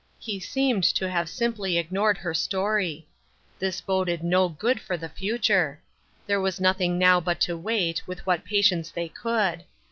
He seemed to have simply ignored her story. This boded no good for the future. There was nothing now but to wait, with what patience they could.